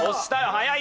早い！